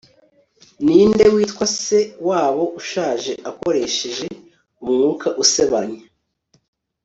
ninde witwa se wabo ushaje akoresheje umwuka usebanya